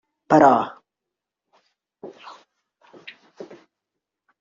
Però.